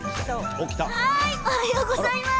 おはようございます。